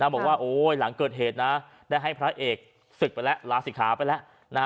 บอกว่าหลังเกิดเหตุนะได้ให้พระเอกศึกไปแล้วลาศิกขาไปแล้ว